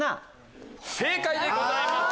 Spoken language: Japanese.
正解でございます！